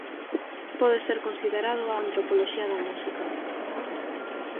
Pode ser considerado a antropoloxía da música.